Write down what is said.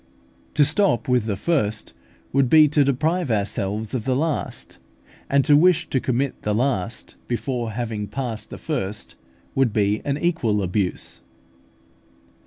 To stop with the first would be to deprive ourselves of the last; and to wish to commit the last before having passed the first would be an equal abuse.